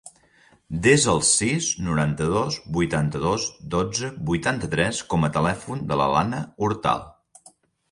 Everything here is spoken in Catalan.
Desa el sis, noranta-dos, vuitanta-dos, dotze, vuitanta-tres com a telèfon de l'Alana Hortal.